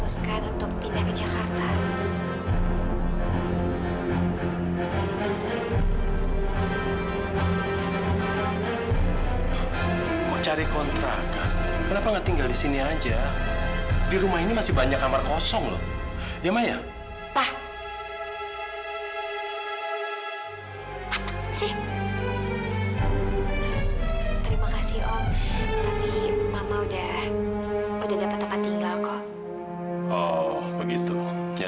sampai jumpa di video selanjutnya